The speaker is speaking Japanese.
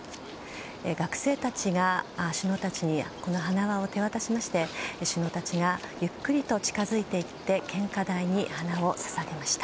学生たちが首脳たちにこの花輪を手渡しまして首脳たちがゆっくりと近づいていって献花台に花を捧げました。